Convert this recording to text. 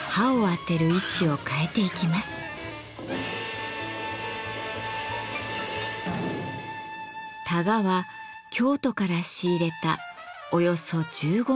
たがは京都から仕入れたおよそ１５メートルの真竹。